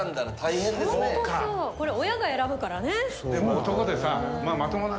これ親が選ぶからね。